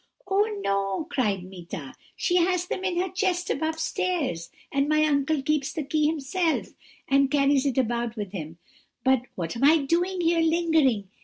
"'Oh, no,' cried Meeta, 'she has them in her chest above stairs, and my uncle keeps the key himself, and carries it about with him; but what am I doing here, lingering?